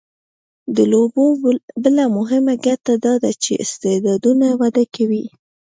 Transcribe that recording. د لوبو بله مهمه ګټه دا ده چې استعدادونه وده کوي.